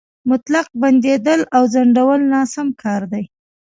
مطلق بندېدل او ځنډول ناسم کار دی.